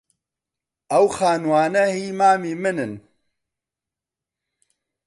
ئەو خانووانە هیی مامی منن.